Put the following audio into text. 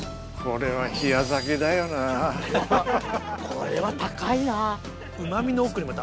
これは高いな。